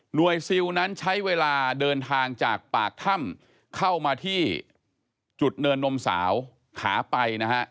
ซิลนั้นใช้เวลาเดินทางจากปากถ้ำเข้ามาที่จุดเนินนมสาวขาไปนะฮะ